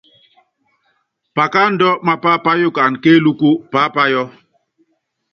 Pakáandú mapá páyukana kéélúkú paápayɔ.